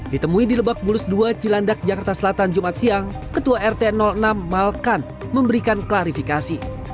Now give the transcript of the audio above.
ditemui di lebak bulus dua cilandak jakarta selatan jumat siang ketua rt enam malkan memberikan klarifikasi